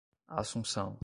assunção